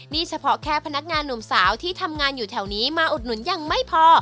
นี่เฉพาะแค่พนักงานหนุ่มสาวที่ทำงานอยู่แถวนี้มาอุดหนุนยังไม่พอ